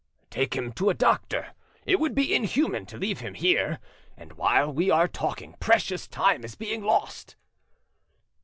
"Take him to a doctor. It would be inhuman to leave him here, and while we are talking precious time is being lost."